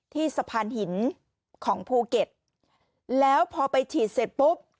ที่สะพานหินของภูเก็ตแล้วพอไปฉีดเสร็จปุ๊บ